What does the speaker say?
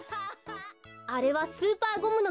あれはスーパーゴムのきですね。